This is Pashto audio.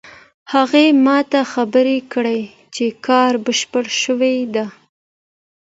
هغې ما ته خبر راکړ چې کار بشپړ شوی ده